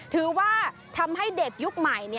ถือว่าทำให้เด็กยุคใหม่